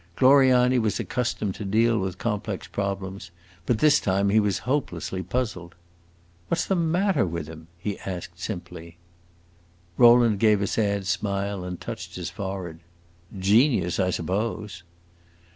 Gloriani was accustomed to deal with complex problems, but this time he was hopelessly puzzled. "What 's the matter with him?" he asked, simply. Rowland gave a sad smile, and touched his forehead. "Genius, I suppose."